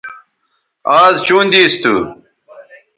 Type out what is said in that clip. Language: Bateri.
آز چوں دیس تھو